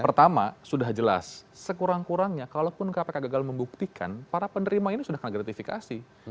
pertama sudah jelas sekurang kurangnya kalaupun kpk gagal membuktikan para penerima ini sudah ke gratifikasi